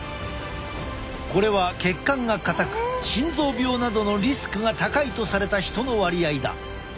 これは血管が硬く心臓病などのリスクが高いとされた人の割合だ。